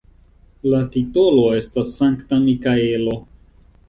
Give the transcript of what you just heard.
La titolo estis Sankta Mikaelo.